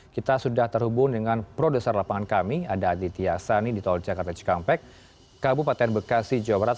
kita sudah terhubung dengan produser lapangan kami ada aditya sani di tol jakarta cikampek kabupaten bekasi jawa barat